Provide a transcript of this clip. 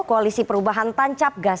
koalisi perubahan tancapgas